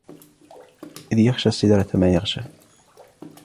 إذ يغشى السدرة ما يغشى